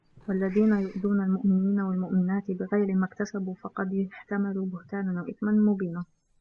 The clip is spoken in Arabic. وَالَّذينَ يُؤذونَ المُؤمِنينَ وَالمُؤمِناتِ بِغَيرِ مَا اكتَسَبوا فَقَدِ احتَمَلوا بُهتانًا وَإِثمًا مُبينًا